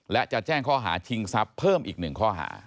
และจะแจ้งข้อหาชิงทรัพย์เพิ่มอีก๑ข้อหา